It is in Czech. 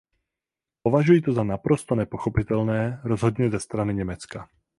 Považuji to za naprosto nepochopitelné, rozhodně ze strany Německa.